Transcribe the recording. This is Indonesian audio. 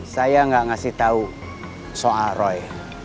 saya tidak memberitahu soal roy